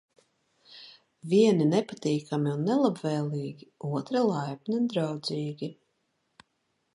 Vieni netīkami un nelabvēlīgi, otri laipni un draudzīgi.